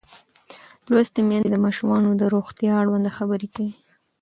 لوستې میندې د ماشومانو د روغتیا اړوند خبرې کوي.